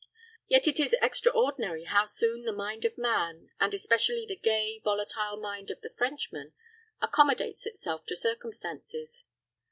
Yet it is extraordinary how soon the mind of man, and especially the gay, volatile mind of the Frenchman, accommodates itself to circumstances.